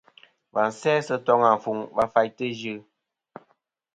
Và sæ sɨ toŋ afuŋ va faytɨ Ɨ yɨ.